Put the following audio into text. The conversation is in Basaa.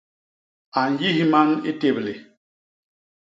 A nyis man i téblé.